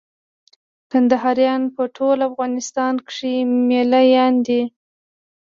کندهاريان په ټول افغانستان کښي مېله يان دي.